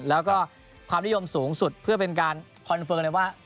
แล้วก็ความนิยมสูงสุดเพื่อเป็นการคอนเฟิร์มเลยว่า